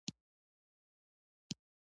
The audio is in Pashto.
استاد د شاګرد د فکر ځواک لوړوي.